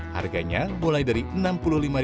harganya mulai dari rp enam puluh lima